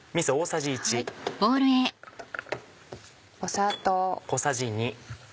砂糖。